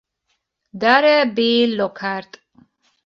Darrell B. Lockhart.